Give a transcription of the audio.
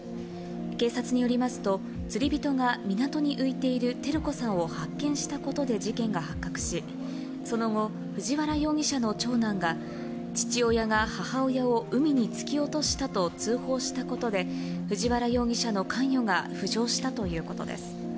警察によりますと、釣り人が港に浮いている照子さんを発見したことで事件が発覚し、その後、藤原容疑者の長男が、父親が母親を海に突き落としたと通報したことで、藤原容疑者の関与が浮上したということです。